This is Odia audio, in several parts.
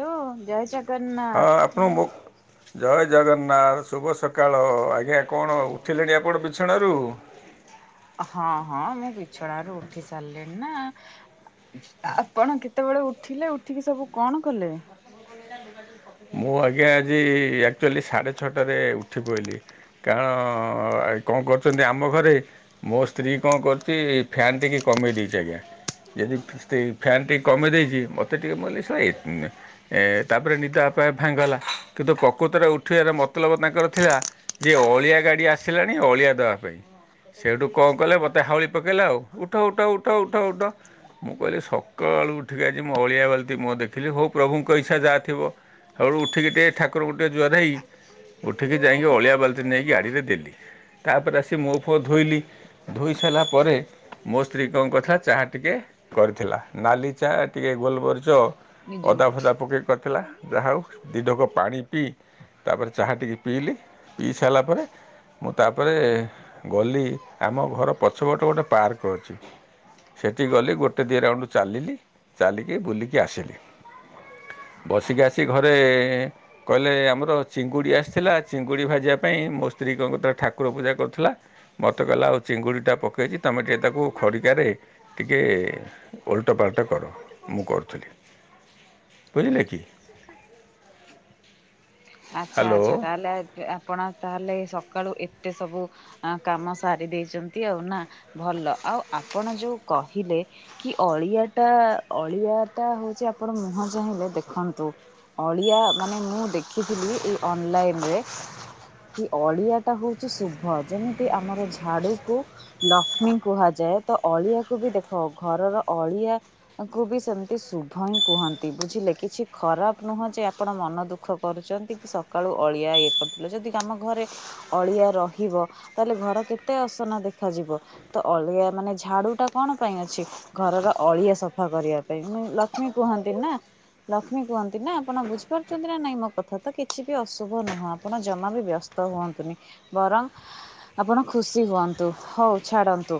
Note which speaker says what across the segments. Speaker 1: ହ୍ୟାଲୋ ଜୟ
Speaker 2: ହଁ
Speaker 1: ଜଗନ୍ନାଥ।
Speaker 2: ଆପଣ ମୋ ଜୟ ଜଗନ୍ନାଥ ଶୁଭ ସକାଳ ଆଜ୍ଞା କଣ ଉଠିଲେଣି ଆପଣ ବିଛଣାରୁ?
Speaker 1: ହଁ ହଁ ମୁଁ ବିଛଣାରୁ ଉଠି ସାରିଲିଣି ନା ଆପଣ କେତେବେଳେ ଉଠିଲେ ଉଠିକି ସବୁ କଣ କଲେ?
Speaker 2: ମୁଁ ଆଜ୍ଞା ଆଜି ଆକ୍ଚୁଆଲି ସାଢ଼େ ଛଅଟାରେ ଉଠି ପଡ଼ିଲି। କାରଣ କଣ କରୁଛନ୍ତି ଆମ ଘରେ ମୋ ସ୍ତ୍ରୀ କଣ କରିଚି ଫ୍ୟାନ୍ ଟିକେ କମେଇ ଦେଇଛି ଆଜ୍ଞା ଯଦି ସେ ଫ୍ୟାନ୍ ଟିକେ କମେଇ ଦେଇଛି ମତେ ଟିକେ ମୁଁ କହିଲି ଶଳା ଏ ଏ ତାପରେ ନିଦ ଆପେଆପେ ଭାଙ୍ଗିଗଲା କିନ୍ତୁ ପ୍ରକୃତରେ ଉଠେଇବାର ମତଲବ ତାଙ୍କର ଥିଲା। ଯେ ଅଳିଆ ଗାଡି ଆସିଲାଣି ଅଳିଆ ଦେବା ପାଇଁ। ସେଇଠୁ କଣ କଲେ ମୋତେ ହାଉଳି ପକାଇଲେ ଆଉ ଉଠ ଉଠ ଉଠ ଉଠ ଉଠ ମୁଁ କହିଲି ସକାଳୁ ଉଠିକି ଆଜି ମୁଁ ଅଳିଆ ବାଲ୍ଟି ମୁଁହ ଦେଖିଲି ହଉ ପ୍ରଭୁଙ୍କ ଇସା ଯାହା ଥିବ ଶକାଳୁ ଉଠିକି ଟିକେ ଠାକୁରଙ୍କୁ ଟିିକେ ଜୁଆର ହୋଇ ଉଠିକି ଯାଇକି ଅଳିଆ ବାଲ୍ଟି ନେଇକି ଗାଡ଼ିରେ ଦେଲି। ତାପରେ ଆସି ମୁଁହ ଫୁଅ ଧୋଇଲି ଧୋଇ ସାରିଲା ପରେ ମୋ ସ୍ତ୍ରୀ କଣ କରିଥିଲା ଚାହା ଟିକେ କରିଥିଲା ନାଲି ଚାହା ଟିକେ ଗୋଲମରିଚ
Speaker 1: ନିଜେ
Speaker 2: ଅଦା
Speaker 1: ଉଠୁ
Speaker 2: ଫଦା ପକେଇକି କରିଥିଲା। ଯାହା ହେଉ ଦୁଇ ଢେକ ପାଣି ପିଇ ତାପରେ ଚାହା ଟିକେ ପିଇଲି ପିଇ ସାରିଲା ପରେ ମୁଁ ତାପରେ ଗଲି ଆମ ଘର ପଛପଟେ ଗୋଟେ ପାର୍କ ଅଛି ସେଠି ଗଲି ଗୋଟେ ଦି ରାଉଣ୍ଡ ଚାଲିଲି ଚାଲିକି ବୁଲିକି ଆସିଲି। ବସିକି ଆସି ଘରେ କହିଲେ ଆମର ଚିଙ୍ଗୁଡ଼ି ଆସିଥିଲା ଚିଙ୍ଗୁଡ଼ି ଭାଜିବା ପାଇଁ ମୋ ସ୍ତ୍ରୀ କଣ କରୁ ଠାକୁର ପୂଜା କରୁଥିଲା ମତେ କହିଲା ଆଉ ଚିଙ୍ଗୁଡ଼ିଟା ପକେଇଛି ତମେ ଟି ତାକୁ ଖଡ଼ିକାରେ ଟିକିଏ ଓଲଟପାଲଟ କର ମୁଁ କରୁଥିଲି। ବୁଝିଲେ କି
Speaker 1: ଆଚ୍ଛା ଆଚ୍ଛା
Speaker 2: ହ୍ୟାଲୋ
Speaker 1: ତାହେଲେ ଏ ଆ ଆପଣ ତାହେଲେ ସକାଳୁ ଏତେ ସବୁ କାମ ସାରି ଦେଇଛନ୍ତି ଆଉ ନା ଭଲ। ଆଉ ଆପଣ ଯୋଉ କହିଲେ କି ଅଳିଆ ଟା ଅଳିଆ ଟା ହଉଛି ଆପଣ ମୁହଁ ଚାହିଁଲେ ଦେଖନ୍ତୁ ଅଳିଆ ମାନେ ମୁଁ ଦେଖିଥିଲି ଏଇ ଅନଲାଇନ ରେ ଅଳିଆ ଟା ହଉଛି ଶୁଭ ଯେମିତି ଆମର ଝାଡୁକୁ ଲକ୍ଷ୍ମୀ କୁହାଯାଏ ତ ଅଳିଆକୁ ବି ଦେଖ ଘରର ଅଳିଆ କୁ ବି ସେମତି ଶୁଭ ହିଁ କୁହନ୍ତି ବୁଝିଲେ କିଛି ଖରାପ ନୁହଁ ଯେ ଆପଣ ମନ ଦୁଃଖ କରୁଛନ୍ତି କି ସକାଳୁ ଅଳିଆ ଇଏ କରୁଥିଲେ ଯଦି ଆମ ଘରେ ଅଳିଆ ରହିବ ତାହେଲେ ଘର କେତେ ଅସନା ଦେଖାଯିବ ତ ଅଳିଆ ମାନେ ଝାଡୁ ଟା କଣ ପାଇଁ ଅଛି ଘରର ଅଳିଆ ସଫା କରିବା ପାଇଁ ମୁ ଲକ୍ଷ୍ମୀ କୁହନ୍ତି ନା ଲକ୍ଷ୍ମୀ କୁହନ୍ତି ନା ଆପଣ ବୁଝିପାରୁଛନ୍ତି ନା ନାଇଁ ମୋ କଥା ତ କିଛି ବି ଅଶୁଭ ନୁହଁ ଆପଣ ଜମା ବି ବ୍ୟସ୍ତ ହୁଅନ୍ତୁନି ବରଂ ଆପଣ ଖୁସି ହୁଅନ୍ତୁ ହଉ ଛାଡ଼ ନ୍ତୂ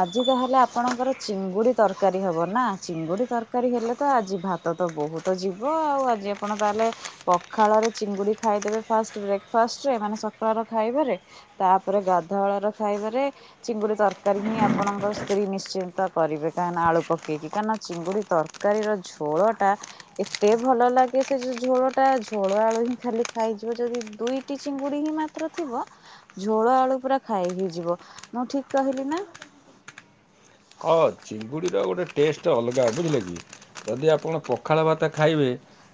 Speaker 1: ଆଜି ତାହେଲେ ଆପଣଙ୍କର ଚିଙ୍ଗୁଡି ତରକାରୀ ହବ ନା ଚିଙ୍ଗୁଡି ତରକାରୀ ହେଲେ ତ ଆଜି ଭାତ ତ ତ ବହୁତ ଯିବ ଆଉ ଆଜି ଆପଣ ତାହେଲେ ପଖାଳରେ ଚିଙ୍ଗୁଡି ଖାଇଦେବେ ଫାଷ୍ଟ ବ୍ରେକଫାଷ୍ଟରେ ମାନେ ସକାଳ ଖାଇବାରେ ତାପରେ ଗାଧୁଆ ବେଳର ଖାଇବାରେ ଚିଙ୍ଗୁଡି ତରକା ତରକାରୀ ହିଁ ଆପଣଙ୍କ ସ୍ତ୍ରୀ ନିଶ୍ଚିନ୍ତ କରିବେ କାହିଁକନା ଆଳୁ ପକେଇକି କାହିଁକ ନା ଚିଙ୍ଗୁଡ଼ି ତରକାରୀ ତରକାରୀର ଝୋଳ ଟା ଏତେ ଭଲ ଲାଗେ ସେ ଯୋଉ ଝୋଳ ଟା ଝୋଳ ଆଳୁ ହିଁ ଖାଲି ଖାଇଯିବ ଯଦି ଦୁଇଟି ଚିଙ୍ଗୁଡି ହିଁ ମାନେ ଥିବ ଝୋଳ ଆଳୁ ପୁରା ଖାଇ ହେଇଯିବ ମୁଁ ଠିକ କହିଲି ନା।
Speaker 2: ହଁ ଚିଙ୍ଗୁଡ଼ିର ଗୋଟେ ଟେଷ୍ଟ ଅଲଗା ବୁଝିଲେ କି ଯଦି ଆପଣ ପଖାଳ ଭାତ ଖାଇବେ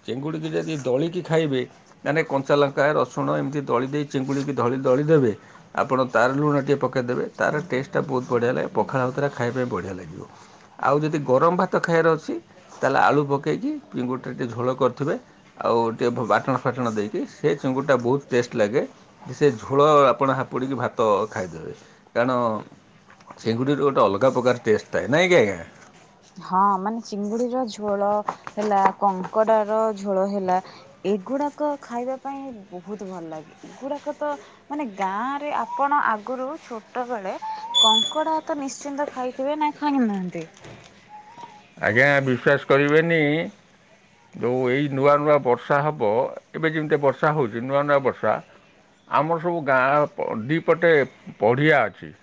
Speaker 2: ଚିଙ୍ଗୁଡ଼ିକି ଯଦି ଦଳିକି ଖାଇବେ ମାନେ କଞ୍ଚାଲଙ୍କା ରସୁଣ ଏମିତି ଦଳି ଦେଇ ଚିଙ୍ଗୁଡିିକି ଧଳି ଦଳିଦେବେ ଆପଣ ତାର ଲୁଣ ଟିକିଏ ପକାଇ ଦେବେ ତାର ଟେଷ୍ଟଟା ବହୁତ ବଢ଼ିଆ ଲାଗେ ପଖାଳ ଭାତରେ ଖାଇବା ପାଇଁ ବଢ଼ିଆ ଲାଗିବ। ଆଉ ଯଦି ଗରମ ଭାତ ଖାଇବାର ଅଛି ତାହେଲେ ଆଳୁ ପକେଇକି ଚିଙ୍ଗୁଡ଼ିଟା ଟିକେ ଝୋଳ କରିଥିବେ। ଆଉ ଟିକିଏ ବାଟଣ ଫାଟଣ ଦେଇକି ସେ ଚୁଙ୍ଗୁଡିଟା ବହୁତ ଟେଷ୍ଟ ଲାଗେ। ସେ ଝୋଳ ଆପଣ ହାପୁଡ଼ିକି ଭାତ ଖାଇଦେବେ। କାରଣ ଚିଙ୍ଗୁଡ଼ିରୁ ଗୋଟେ ଅଲଗା ପ୍ରକାର ଟେଷ୍ଟ ଥାଏ ନାଇଁକି ଆଜ୍ଞା?
Speaker 1: ହଁ, ମାନେ ଚିଙ୍ଗୁଡିର ଝୋଳ ହେଲା, କଙ୍କଡ଼ା ର ଝୋଳ ହେଲା ଏଗୁଡାକ ଖାଇବା ପାଇଁ ବହୁତ ଭଲ ଲାଗେ। ଏଗୁଡାକ ତ ମାନେ ଗାଁରେ ଆପଣ ଆଗରୁ ଛୋଟ ବେଳେ କଙ୍କଡା ତ ନିଶ୍ଚିନ୍ତ ଖାଇ କେବେ ନାଇଁ ଖାଇ ନାହାନ୍ତି?
Speaker 2: ଆଜ୍ଞା ବିଶ୍ଵାସ କରିବେନି ଯୋଉ ଏଇ ନୂଆ ନୂଆ ବର୍ଷା ହେବ ଏବେ ଯେମିତି ବର୍ଷା ହେଉଛି ନୂଆ ନୂଆ ବର୍ଷା ଆମର ସବୁ ଗାଁ ପ ଦିପଟେ ପଡ଼ିଆ ଅଛି।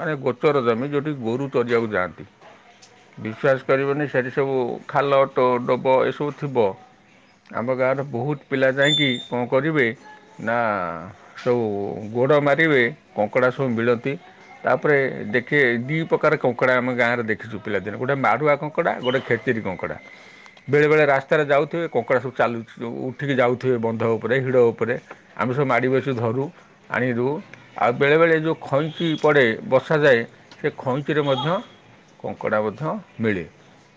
Speaker 2: ମାନେ ଗୋଚର ଜମି ଯେଉଁଠି ଗୋରୁ ଚରିବାକୁ ଯାଆନ୍ତି। ବିଶ୍ୱାସ କରିବନି ସେଠି ସବୁ ଖାଲ, ଡୋବ ଏସବୁ ଥିବ। ଆମ ଗାଁର ବହୁତ ପିଲା ଯାଇକି କଣ କରିବେ ନା ସବୁ ଗୋଡ଼ ମାରିବେ କଙ୍କଡ଼ା ସବୁ ମିଳନ୍ତି। ତାପରେ ଦେଖି ଦୁଇ ପ୍ରକାର କଙ୍କଡ଼ା ଆମ ଗାଁରେ ଦେଖିଛୁ ପିଲାଦିନେ। ଯେ ଗୋଟେ ମାାରୁଆ କଙ୍କଡ଼ା, ଗୋଟେ ଖେଚରୀ କଙ୍କଡ଼ା। ବେଳେ ବେଳେ ରାସ୍ତାରେ ଯାଉଥିବେ କଙ୍କଡ଼ା ସବୁ ଚାଲୁ ଉଠିକି ଯାଉଥିବେ ବନ୍ଧ ଉପରେ ହିଡ଼ ଉପରେ। ଆମେ ସବୁ ମାଡ଼ି ବସି ଧରୁ। ଆଣିିଲୁ ଆଉ ବେଳେବେଳେ ଯେଉଁ ଖଇଚି ପଡ଼େ ବର୍ଷାଯାଏ ସେ ଖଇଞ୍ଚରେ ମଧ୍ୟ କଙ୍କଡ଼ା ମଧ୍ ମଧ୍ୟ ମିଳେ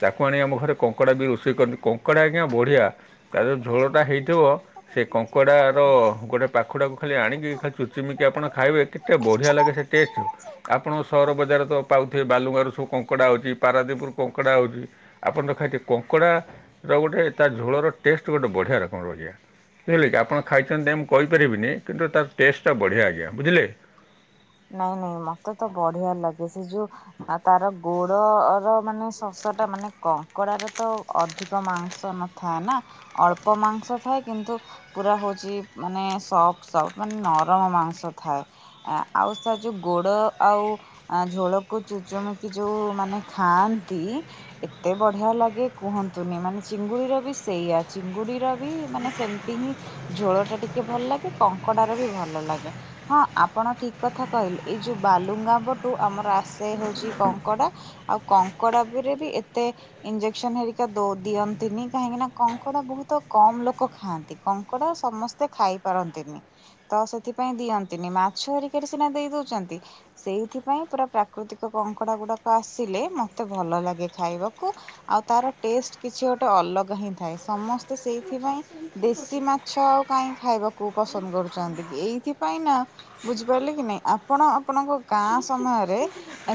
Speaker 2: ତାକୁ ଆଣି ଆମ ଘରେ କଙ୍କଡ଼ା ବି ରୋଷେଇ କରନ୍ତି କଙ୍କଡ଼ା ଆଜ୍ଞା ବଢ଼ିଆ। ତା ଦେହରେ ଝୋଳଟା ହେଇଥିବ ସେ କଙ୍କଡ଼ାର ଗୋଟେ ପାଖୁଡ଼ାକୁ ଖାଲି ଆଣିକି ଖାଲି ଚୁଚିମିକି କି ଆପଣ ଖାଇବେ କେତେ ବଢ଼ିଆ ଲାଗେ ସେ ଟେଷ୍ଟ। ଆପଣ ସହର ବଜାର ତ ପାଉଥିବେ ବାଲୁଙ୍ଗାରୁ ସବୁ କଙ୍କଡ଼ା ଅଛି। ପାରାଦ୍ୱୀପରୁ କଙ୍କଡ଼ା ଆଉଚି ଆପଣ ତ ଖାଇଥିବେ କଙ୍କଡ଼ା? ତ ଗୋଟେ ତା ଝୋଳର ଟେଷ୍ଟ ଗୋଟେ ବଢ଼ିଆ ରକମର ବଢିଆ। ବୁଝିଲେ କି ଆପଣ ଖାଇଛନ୍ତି ନାହିଁ ମୁଁ କହିପାରିବିନି କିନ୍ତୁ ତାର ଟେଷ୍ଟଟା ବଢ଼ିଆ ଆଜ୍ଞା ବୁଝିଲେ।
Speaker 1: ନାଇଁ ନାଇଁ ମତେ ତ ବଢିଆ ଲାଗେ ସେ ଯୋଉ ଆଉ ତାର ଗୋଡର ମାନେ ଶସ ଟା ମାନେ କଙ୍କଡାରେ ତ ଅଧିକ ମାଂସ ନ ଥାଏ ନା, ଅଳ୍ପ ମାଂସ ଥାଏ କିନ୍ତୁ ପୁରା ହଉଛି ମାନେ ସଫ୍ଟ ସଫ୍ଟ ମାନେ ନରମ ମାଂସ ଥାଏ। ଆଁ ଆଉ ସେ ଯୋଉ ଗୋଡ ଆଉ ଆ ଝୋଳକୁ ଚୁଚୁମିକି ଯୋଉ ମାନେ ଖାଆନ୍ତି। ଏତେ ବଢିଆ ଲାଗେ କୁହନ୍ତୁନି ମାନେ ଚିଙ୍ଗୁଡିର ବି ସେଇଆ ଚିଙ୍ଗୁଡିର ବି ମାନେ ସେମତି ହିଁ ଝୋଳ ଟା ଟିକେ ଭଲ ଲାଗେ କଙ୍କଡା ର ବି ଭଲ ଲାଗେ। ହଁ ଆପଣ ଠିକ କଥା କହିଲି ଏଇ ଯୋଉ ବାଲୁଗାଁ ପଟୁ ଆମର ଆସେ ହଉଛି କଙ୍କଡା। ଆଉ କଙ୍କଡା ବିରେ ବି ଏତେ ଇଞ୍ଜେକ୍ସନ ହେରିକା ଦଉ ଦିଅନ୍ତିନି କାହିଁକି ନା କଙ୍କଡା ବହୁତ କମ ଲୋକ ଖାଆନ୍ତି। କଙ୍କଡା ସମ ସେ ଖାଇ ପାରନ୍ତିନି ତ ସେଥିପାଇଁ ଦିଅନ୍ତିନି ମାଛ ହେରିକାରେ ସିନା ଦେଇ ଦଉଛନ୍ତି। ସେଇଥିପାଇଁ ପୁରା ପ୍ରାକୃତିକ କଙ୍କଡା ଗୁଡାକ ଆସିଲେ ମତେ ଭଲ ଲାଗେ ଖାଇବାକୁ। ଆଉ ତାର ଟେଷ୍ଟ କିଛି ଗୋଟେ ଅଲଗା ହିଁ ଥାଏ। ସମସ୍ତେ ସେଇଥିପାଇଁ ଦେଶୀ ମାଛ ଆଉ କାଇଁ ଖାଇବାକୁ ପସନ୍ଦ କରୁଛନ୍ତି ଏଇଥିପାଇଁ ନା, ବୁଝି ବୁଝିପାଇଲେ କି ନାହିଁ ଆପଣ ଆପଣଙ୍କ ଗାଁ ସମୟରେ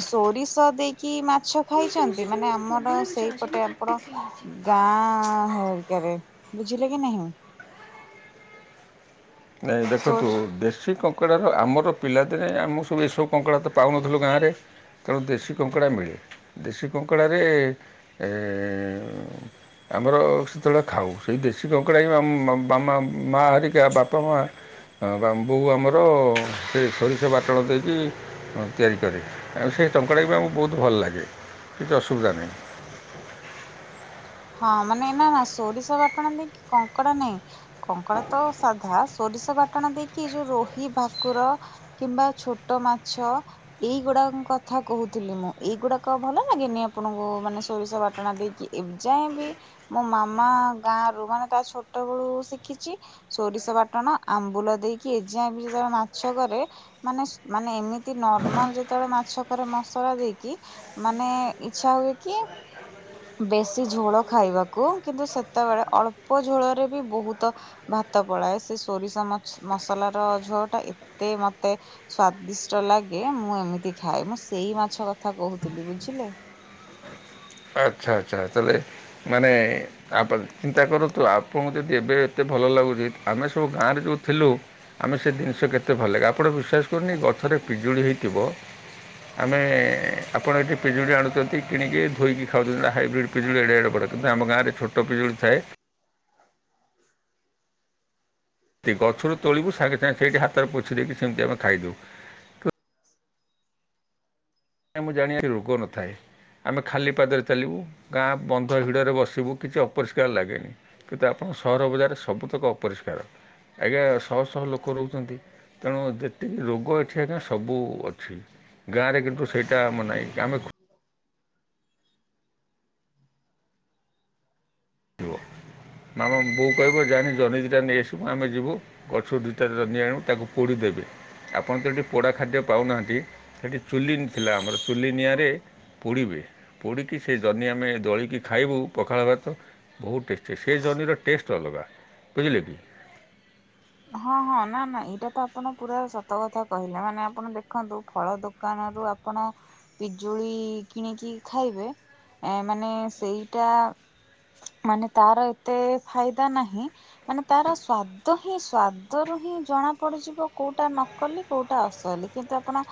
Speaker 1: ସୋରିଷ ଦେଇକି ମାଛ ଖାଇଛନ୍ତି? ମାନେ ଆମର ସେଇପଟେ ଆପଣ ଗାଁ ହେରିକାରେ ବୁଝିଲେ କି ନାହିଁ?
Speaker 2: ନାଇଁ ଦେଖନ୍ତୁ
Speaker 1: ସୋରି
Speaker 2: ଦେଶୀ କ କଙ୍କଡ଼ାର ଆମର ପିଲାଦିନେ ଆମେ ସବୁ ଏସବୁ କଙ୍କଡ଼ା ତ ପାଉନଥିଲୁ ଗାଁରେ। ତେଣୁ ଦେଶୀ କଙ୍କଡ଼ା ମିଳେ। ଦେଶୀ କଙ୍କଡ଼ାରେ ଏ ଆମର ସେତେବେଳେ ଖାଉ ସେଇ ଦେଶୀ କଙ୍କଡ଼ା ହିଁ ଆମ ମାମା ମା ହରିକା ବାପା ମା ବା ବୋଉ ଆମର ସେ ସୋରିଷ ବାଟଣ ଦେଇକି ତିଆରି କରେ ଆଉ ସେ ଟଙ୍କାଟାକୁ ବି ଆମକୁ ବହୁତ ଭଲ ଲାଗେ। କିଛି ଅସୁବିଧା ନାହିଁ।
Speaker 1: ହଁ ମାନେ ନା ନା ସୋରିଷ ବାଟଣା ଦେଇ କି କଙ୍କଡା ନାଇଁ। କଙ୍କଡା ତ ସାଧା ସୋରିଷ ବାଟଣ ଦେଇକି ଯୋଉ ରୋହି ଭାକୁର କିମ୍ବା ଛୋଟ ମାଛ ଏଇଗୁଡାକ କଥା କହୁଥିଲି। ମୁଁ ଏଇଗୁଡାକ ଭଲ ଲାଗେନି ଆପଣଙ୍କୁ। ମାନେ ସୋରିଷ ବାଟଣା ଦେଇକି ଯାଇଁବି ମୋ ମାମା ଗାଁରୁ ମାନେ ତା ଛୋଟବେଳୁ ଶିଖିଛି। ସୋରିଷ ବାଟଣ ଆମ୍ବୁଲ ଦେଇକି ଏଯା ବିତେବେଳେ ମାଛ କରେ। ମାନେ ମାନେ ଏମିତି ନର୍ମାଲ ଯେତେବେଳେ ମାଛ କରେ। ମସଲା ଦେଇକି ମାନେ ଇଚ୍ଛା ହୁଏ କି ବେଶ ସେ ଝୋଳ ଖାଇବାକୁ କିନ୍ତୁ ସେତେବେଳେ ଅଳ୍ପ ଝୋଳରେ ବି ବହୁତ ଭାତ ପଳାଏ। ସେ ସୋରିଷ ମସଲାର ଝୋଳ ଟା ଏତେ ମତେ ସ୍ଵାଦିଷ୍ଟ ଲାଗେ। ମୁଁ ଏମିତି ଖାଏ। ମୁଁ ସେଇ ମାଛ କଥା କହୁଥିଲି ବୁଝିଲେ।
Speaker 2: ଆଚ୍ଛା ଆଚ୍ଛା। ତାହେଲେ ମାନେ ଆପଣ ଚିନ୍ତା କରନ୍ତୁ। ଆପଣଙ୍କୁ ଯଦି ଏବେ ଏତେ ଭଲ ଲାଗୁଛି। ଆମେ ସବୁ ଗାଁ ରେ ଯୋଉ ଥିଲୁ। ଆମେ ସେ ଜିନିଷ କେତେ ଭଲ ଲାଗେ। ଆପଣ ବିଶ୍ୱାସ କରୁନି ଗଛରେ ପିଜୁଳି ହେଇଥିବ। ଆମେ ଆପଣ ଏଠି ପିଜୁଳି ଆଣୁଛନ୍ତି। କିଣିକି ଧୋଇକି ଖାଉଛନ୍ତି ହାଇବ୍ରିଡ ପିଜଳି ଏଡେ ଏଡେ ବଡ। କିନ୍ତୁ ଆମ ଗାଁରେ ଛୋଟ ପିଜୁଳି ଥାଏ। ସେ ଗଛରୁୁ ତୋଳିବୁ ସାଙ୍ଗେ ସାଙ୍ଗେ ସେଇଠି ହାତରେ ପୋଛି ଦେଇକି ସେମିତି ଆମେ ଖାଇଦବୁ। ମୁଁ ଜାଣିବାରେ ରୋଗ ନଥାଏ। ଆମେ ଖାଲି ପାଦରେ ଚାଲିବୁ। ଗାଁ ବନ୍ଧ ହିଡରେ ବସିବୁ। କିଛି ଅପରିଷ୍କାର ଲାଗେନି। କିନ୍ତୁ ଆପଣଙ୍କ ସହର ବଜାର ସବୁତକ ଅପରିଷ୍କାର। ଆଜ୍ଞା ଶହ ଶହ ଲୋକ ରହୁଛନ୍ତି। ତେଣୁ ଯେତିକି ରୋଗ ଏଠି ଆଜ୍ଞା ସବୁ ଅଛି। ଗାଁରେ କିନ୍ତୁ ସେଇଟା ଆମ ନାହିଁ। ଆମେ ଆମ ବୋଉ କହିବ ଜାନି ଜହ୍ନି ଦିଟା ନେଇ ଆସିବୁ। ଆମେ ଯିବୁ। ଗଛ ଦୁଇଟାରେ ରନି ଆଣୁ ତାକୁ ପୋଡି ଦେବେ। ଆପଣ ଏଠି ପୋଡା ଖାଦ୍ୟ ପାଉନାହାଁନ୍ତି। ସେଇଠି ଚୁଲି ଥିଲା ଆମର। ଚୁଲି ନିଆଁରେ ପୋଡିବେ ପୋଡିକି ସେ ଜହ୍ନି ଆମେ ଦୋଳିକି ଖାଇବୁ ପଖାଳ ଭାତ। ବହୁତ ଟେଷ୍ଟି। ସେ ଜହ୍ନିର ଟେଷ୍ଟ ଅଲଗା ବୁଝିଲେ କି।
Speaker 1: ହଁ ହଁ ନା ନା ଏଇଟା ତ ଆପଣ ପୁରା ସତ କଥା କହିଲେ। ମାନେ ଆପଣ ଦେଖନ୍ତୁ। ଫଳ ଦୋକାନରୁ ଆପ ଆପଣ ପିଜୁଳି କିଣିକି ଖାଇବେ। ଏ ମାନେ ସେଇଟା ମାନେ ତାର ଏତେ ଫାଇଦା ନାହିଁ। ମାନେ ତାର ସ୍ଵାଦ ହିଁ ସ୍ଵାଦରୁ ହିଁ ଜଣା ପଡିଯିବ କୋଉଟା ନକଲି କୋଉଟା ଅସଲି। କିନ୍ତୁ ଆପଣ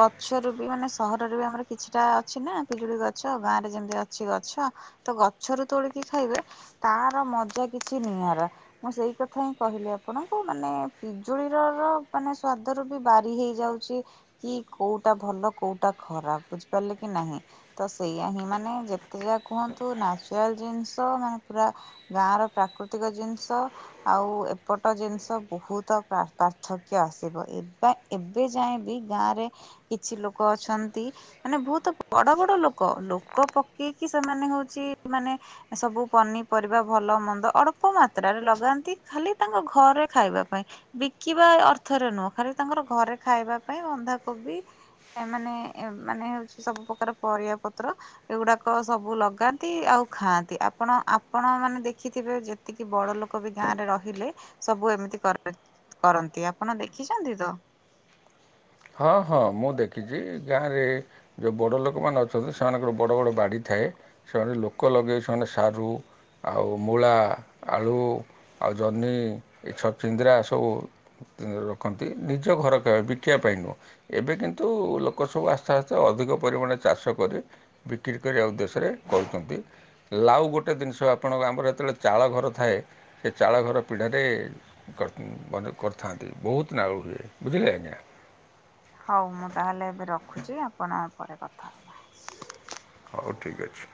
Speaker 1: ଗଛରୁ ବି ମାନେ ସହରରେ ବି ଆମର କିଛିଟା ଅଛି ନା ପିଜୁଳି ଗଛ। ଗାଁ ରେ ଯେମିତି ଅଛି ଗଛ। ତ ଗଛରୁ ତୋଳିକି ଖାଇବେ। ତାର ମଜା କିଛି ନିଆଁରା। ମୁଁ ସେଇ କଥା ହିଁ କହିଲି। ଆପ ଆପଣଙ୍କୁ ମାନେ ପିଜୁଳିର ର ମାନେ ସ୍ଵାଦରୁ ବି ବାରି ହେଇଯାଉଛି। କି କୋଉଟା ଭଲ କୋଉଟା ଖରାପ ବୁଝିପାରିଲେ କି ନାହିଁ। ତ ସେଇଆ ହିଁ ମାନେ ଯେତେ ଯା କୁହନ୍ତୁ ନାଚୁରାଲ ଜିନିଷ ମାନେ ପୁରା ଗାଁ ର ପ୍ରାକୃତିକ ଜିନିଷ ଆଉ ଏ ଏପଟ ଜିନିଷ ବହୁତ ପାର୍ଥକ୍ୟ ଆସିବ। ଏ ଏବେ ଯାଏଁ ବି ଗାଁରେ କିଛି ଲୋକ ଅଛନ୍ତି। ମାନେ ବହୁତ ବଡ ବଡ ଲୋକ। ଲୋକ ପକେଇକି ସେମାନେ ହଉଛି ମାନେ ସବୁ ପନିପରିବା ଭଲ ମନ୍ଦ ଅଳ୍ପ ମାତ୍ରାରେ ଲଗାନ୍ତି। ଖାଲି ତାଙ୍କ ଘରେ ଖାଇବା ପାଇଁ। ବିକିବା ଅର୍ଥରେ ନୁହଁ। ଖାଲି ତାଙ୍କର ଘରେ ଖାଇବା ପାଇଁ। ବନ୍ଧାକୋବି ଏ ମାନେ ମାନେ ହଉଛି ସବୁ ପ୍ରକାର ପରିବା ପତ୍ର। ଏଗୁଡାକ ସବୁ ଲଗାନ୍ତି ଆଉ ଖାଆନ୍ତି। ଆପଣ ଆପଣ ମାନେ ଦେଖିଥିବେ। ଯେ ଏତିକି ବଡ ଲୋକ ବି ଗାଁ ରେ ରହିଲେ। ସବୁ ଏମିତି କରିବେ କରନ୍ତି। ଆପଣ ଦେଖିଛନ୍ତି ତ।
Speaker 2: ହଁ ହଁ ମୁଁ ଦେଖିଛି ଗାଁରେ। ଯୋଉ ବଡ଼ ଲୋକମାନେ ଅଛନ୍ତି, ସେମାନଙ୍କର ବଡ଼ ବଡ଼ ବାଡ଼ି ଥାଏ, ସେମାନେ ଲୋକ ଲଗାଇ ସେମାନେ ସାରୁ‌। ଆଉ ମୂଳା, ଆଳୁ ଆଉ ଜହ୍ନି ଏଇ ଛଛିନଦ୍ରା ସବୁ। ରଖନ୍ତି ନିଜ ଘର ଖାଇବାକୁ ବିକିବା ପାଇଁ ନୁହଁ, ଏବେ କିନ୍ତୁ ଲୋକ ସବୁ ଆସ୍ତେ ଆସ୍ତେ ଅଧିକ ପରିମାଣରେ ଚାଷ କରି। ବିକ୍ରି କରିବା ଉଦେଶ୍ୟ ରେ କରୁଛନ୍ତି। ଲାଉ ଗୋଟେ ଦିନିଷ ଆପଣଙ୍କ ଆମର ଯେତେବେଳେ ଚାଳଘର ଥାଏ, ସେ ଚାଳ ଘର ପି଼ଢାରେ। କରିଥିନ୍ ବନ୍ଧୁ କରିଥାନ୍ତି ବହୁତ ନାଉ ହୁଏ, ବୁଝିଲେ ଆଜ୍ଞା।
Speaker 1: ହଉ ମୁଁ ତାହେଲେ ଏବେ ରଖୁଛି ଆପଣ ଆ ପରେ କଥା ହବା।
Speaker 2: ହଉ ଠିକ୍ ଅଛି।